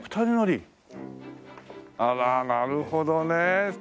あらなるほどね。